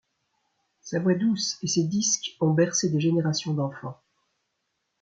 Sa voix douce et ses disques ont bercé des générations d’enfants.